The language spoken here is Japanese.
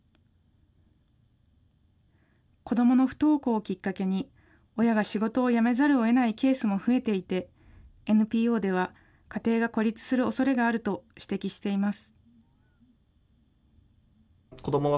子どもの不登校をきっかけに、親が仕事を辞めざるをえないケースも増えていて、ＮＰＯでは、家庭が孤立するおそれがあると指摘しています。